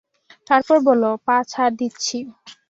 তারপর বলে, পা ছাড়, দিচ্ছি।